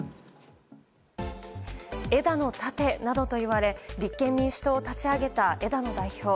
枝野立てなどと言われ立憲民主党を立ち上げた枝野代表。